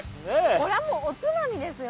これはもうおつまみですよ！